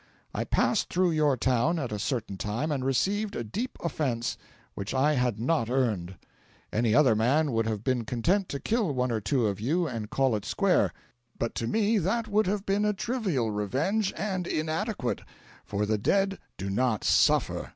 I passed through your town at a certain time, and received a deep offence which I had not earned. Any other man would have been content to kill one or two of you and call it square, but to me that would have been a trivial revenge, and inadequate; for the dead do not SUFFER.